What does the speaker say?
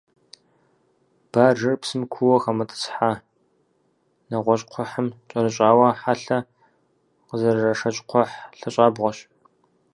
Баржэр, псым куууэ хэмытӏысхьэ, нэгъуэщӏ кхъухьым кӏэрыщӏауэ, хьэлъэ къызэрырашэкӏ кхъухь лъащӏабгъуэщ.